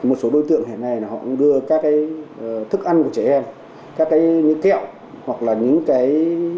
một số đối tượng hiện nay họ đưa các cái thức ăn của trẻ em các cái kẹo hoặc là những cái